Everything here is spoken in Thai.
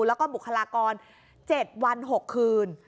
แล้วก็บุคลากร๗วัน๖คืน